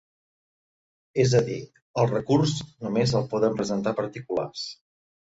És a dir, el recurs només el poden presentar particulars.